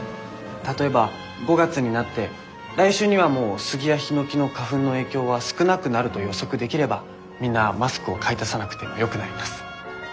例えば５月になって来週にはもうスギやヒノキの花粉の影響は少なくなると予測できればみんなマスクを買い足さなくてもよくなります。